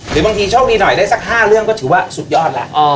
หรือบางทีโชคดีหน่อยได้สัก๕เรื่องก็ถือว่าสุดยอดแล้ว